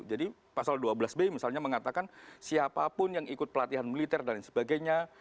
jadi pasal dua belas b misalnya mengatakan siapapun yang ikut pelatihan militer dan sebagainya